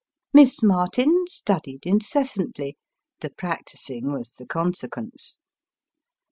Miss Martin studied incessantly the practising was the consequence.